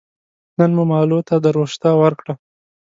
نن مو مالو ته دروشته ور کړه